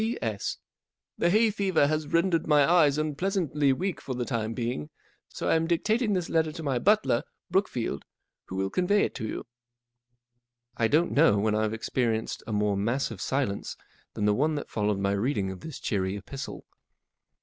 44 P.S.—The hay fever has rendered my eyes unpleasantly weak for the time being, so I am dictating this letter to my butler, Brookfield, who will convey it to you." I DON'T know when I've experienced a more massive silence than the one that followed my reading of this cheery epistle.